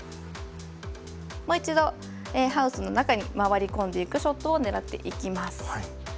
もう一度、ハウスの中に回り込んでいくショットを狙っていきます。